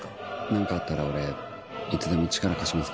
何かあったら俺いつでも力貸しますから。